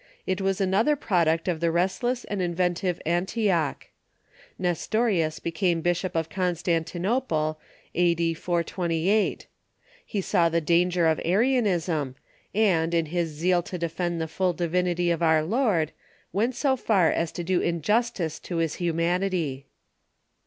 It was another product of the restless and inventive Anti och. Nestorius became Bishop of Constantinople, a.d. 428. He saw the danger of Arianism, and, in his zeal to defend the full divinity of our Lord, went so far as to do injustice to his humanity.